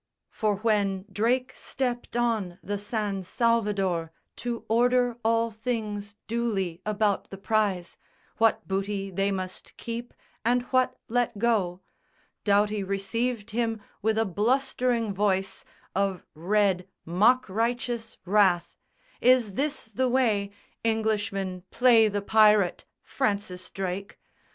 For when Drake stepped on the San Salvador To order all things duly about the prize, What booty they must keep and what let go, Doughty received him with a blustering voice Of red mock righteous wrath, "Is this the way Englishmen play the pirate, Francis Drake?